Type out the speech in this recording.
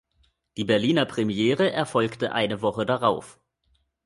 Die Berliner Premiere erfolgte eine Woche darauf.